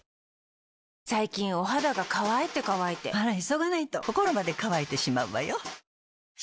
最近お肌が乾いて乾いてあら急がないと心まで乾いてしまうわよ。